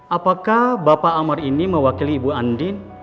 apakah bapak amar ini mewakili ibu andin